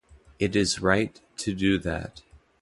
It is right to do that.